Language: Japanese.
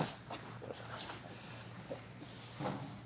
よろしくお願いします。